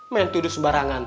maen tuduh sembarangan